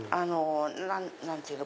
何ていうの？